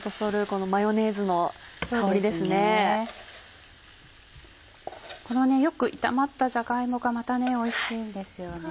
このよく炒まったじゃが芋がまたおいしいんですよね。